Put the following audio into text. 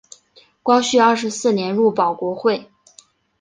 光绪二十四年入保国会。